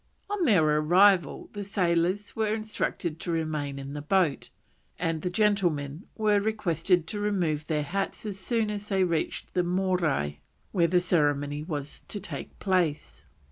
On their arrival the sailors were instructed to remain in the boat, and the gentlemen were requested to remove their hats as soon as they reached the Morai where the ceremonial was to take place.